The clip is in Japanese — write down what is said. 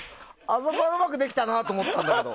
あそこはうまくできたなと思ったんですけど。